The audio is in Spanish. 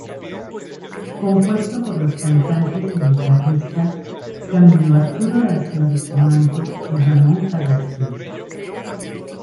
Compuesto por los cantantes y guitarristas "Camilo Arturo García Bustamante" y "Ramón Carrasquilla".